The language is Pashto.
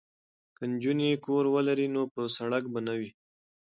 که نجونې کور ولري نو په سړک به نه وي.